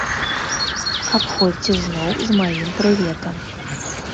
Абходзьце зноў з маім прыветам.